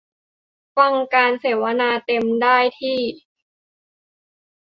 ฟังการเสวนาเต็มได้ที่